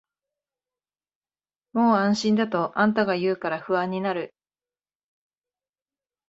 もう安心だとあんたが言うから不安になる